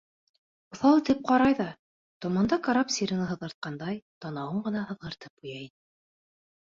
Уҫал итеп ҡарай ҙа, томанда карап сирена һыҙғыртҡандай, танауын ғына һыҙғыртып ҡуя ине.